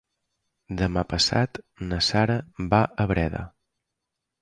Demà passat na Sara va a Breda.